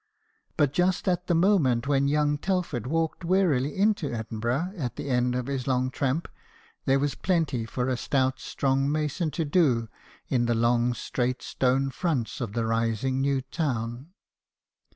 But just at the moment when young Telford walked wearily into Edinburgh at the end of his long tramp, there was plenty for a stout strong mason to do in the long straight stone fronts of the rising New Town.